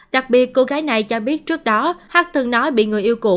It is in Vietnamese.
đặc biệt cô gái này cho biết trước đó hắt từng nói bị người yêu cũ